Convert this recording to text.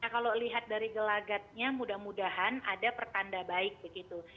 kalau lihat dari gelagatnya mudah mudahan ada pertanda baik begitu